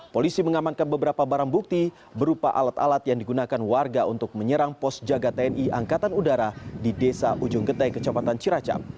polisi mengamankan beberapa barang bukti berupa alat alat yang digunakan warga untuk menyerang pos jaga tni angkatan udara di desa ujung getai kecamatan ciracam